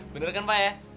bener kan pak ya